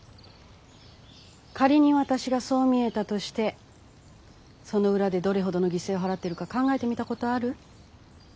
仮に私がそう見えたとしてその裏でどれほどの犠牲を払ってるか考えてみたことある？